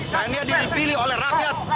dan dia dipilih oleh rakyat